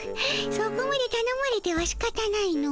そこまでたのまれてはしかたないの。